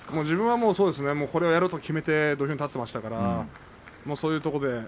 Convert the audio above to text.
自分はこれをやると決めて土俵に立っていましたからそういうところで。